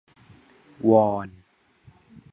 วอน